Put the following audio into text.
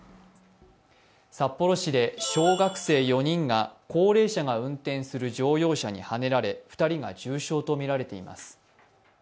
札幌市で小学生４人が高齢者が運転する乗用車にはねられ２人が重傷とみられています。